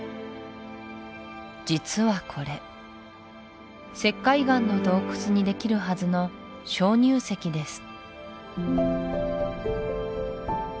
実はこれ石灰岩の洞窟にできるはずの鍾乳石です